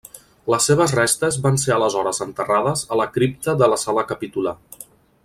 Les seves restes van ser aleshores enterrades a la cripta de la sala capitular.